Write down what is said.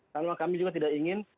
karena kami juga tidak ingin